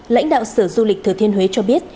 lãnh đạo sở du lịch thừa thiên huế cho biết